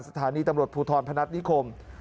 สถานีตำรวจภูทรพนัฐนิคม